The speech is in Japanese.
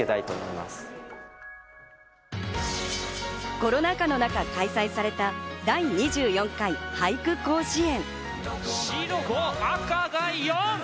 コロナ禍の中開催された第２４回俳句甲子園。